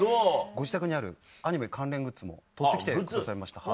ご自宅にあるアニメ関連グッズも撮って来てくださいました。